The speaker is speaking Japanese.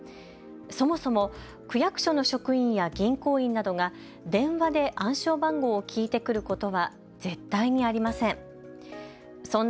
そもそも区役所の職員や銀行員などが電話で暗証番号を聞いてくることは絶対にありません。